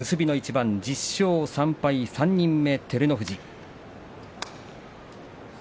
結びの一番１０勝３敗３人目の照ノ富士。